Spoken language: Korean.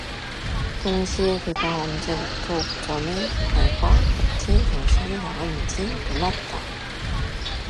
동시에 그가 언제부터 옥점의 말과 같이 정신이 나갔는지 몰랐다.